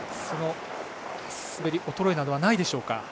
その滑り、衰えなどはないでしょうか。